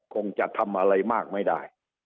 คงจะทำอะไรมากไม่ได้